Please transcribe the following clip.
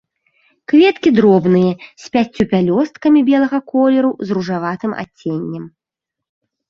Кветкі дробныя, з пяццю пялёсткамі, белага колеру з ружаватым адценнем.